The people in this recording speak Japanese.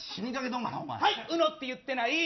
はい、ウノって言ってない。